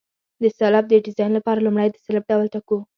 د سلب د ډیزاین لپاره لومړی د سلب ډول ټاکو